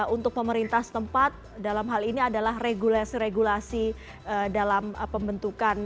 untuk pemerintah setempat dalam hal ini adalah regulasi regulasi dalam pembentukan